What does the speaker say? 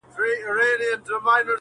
پر زکندن به د وطن ارمان کوینه!